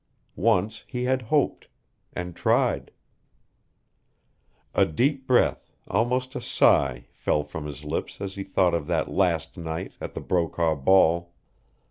Once he had hoped and tried A deep breath, almost a sigh, fell from his lips as he thought of that last night, at the Brokaw ball.